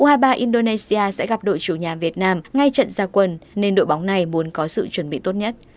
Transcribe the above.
u hai mươi ba indonesia sẽ gặp đội chủ nhà việt nam ngay trận gia quân nên đội bóng này muốn có sự chuẩn bị tốt nhất